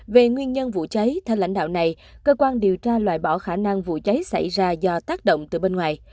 về nguyên nhân vụ cháy theo lãnh đạo này cơ quan điều tra loại bỏ khả năng vụ cháy xảy ra do tác động từ bên ngoài